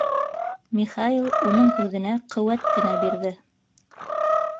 Михаил уның һүҙенә ҡеүәт кенә бирҙе: